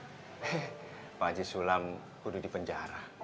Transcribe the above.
he pak haji sulam udah di penjara